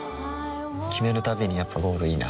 決めるたびにやっぱゴールいいなってふん